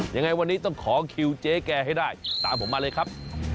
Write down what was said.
ยังไงวันนี้ต้องขอคิวเจ๊แกให้ได้ตามผมมาเลยครับ